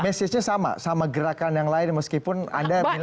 mesejnya sama sama gerakan yang lain meskipun anda bilang